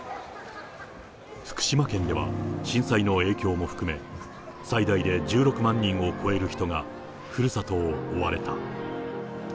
福島県では震災の影響も含め、最大で１６万人を超える人がふるさとを追われた。